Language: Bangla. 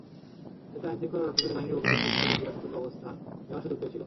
এতে আইনশৃঙ্খলা রক্ষাকারী বাহিনীর অভিযান সম্পর্কে জঙ্গিরা সতর্ক অবস্থান নেওয়ার সুযোগ পেয়েছিল।